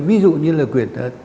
ví dụ như là quyển